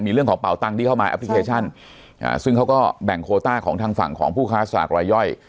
มีเรื่องของเป่าตังค์ที่เข้ามาแอปพลิเคชันซึ่งเขาก็แบ่งโคต้าของทางฝั่งของผู้ค้าสลากรายย่อย